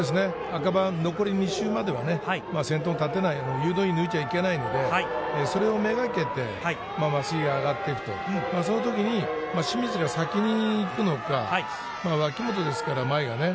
赤番、残り２周までは先頭に立てない、誘導員抜いちゃいけないので、それを目がけていって、眞杉が上がっていくと、清水が先に行くのか、脇本ですから、前がね。